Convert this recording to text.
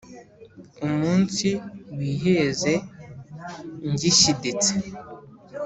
umunsi wiheze ngishyiditse